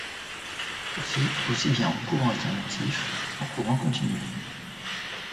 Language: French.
Ceci aussi bien en courant alternatif qu'en courant continu.